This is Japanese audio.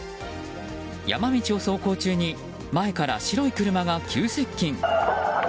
山道を走行中に前から白い車が急接近。